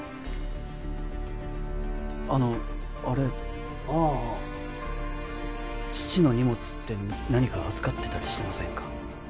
あのあれああ父の荷物って何か預かってたりしてませんか？